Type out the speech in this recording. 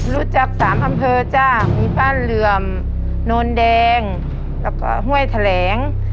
รู้จัก๓อำเภอจ้ะมีบ้านเหลื่อมโนนแดงแล้วก็ห้วยแถลง